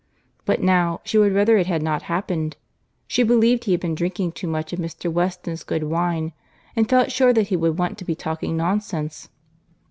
But now, she would rather it had not happened. She believed he had been drinking too much of Mr. Weston's good wine, and felt sure that he would want to be talking nonsense.